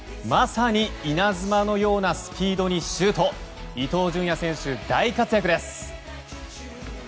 まさに稲妻のようなスピードにシュート伊東純也選手、大活躍です。